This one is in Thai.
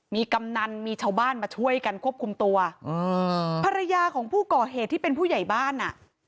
มีกำนันมีชาวบ้านมาช่วยกันควบคุมตัวอืมภรรยาของผู้ก่อเหตุที่เป็นผู้ใหญ่บ้านอ่ะ